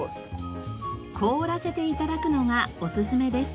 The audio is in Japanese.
凍らせて頂くのがおすすめです。